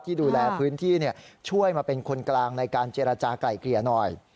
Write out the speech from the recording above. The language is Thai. ดูแลพื้นที่ช่วยมาเป็นคนกลางในการเจรจากลายเกลี่ยหน่อย